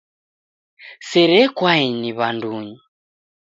Sere yekwaeni w'andunyi.